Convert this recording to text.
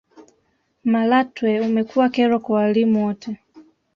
malatwe umekuwa kero kwa walimu wote